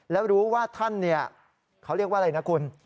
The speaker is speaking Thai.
แล้วรู้ว่าท่านเนี่ยเขาเรียกว่าอะไรนะคุณ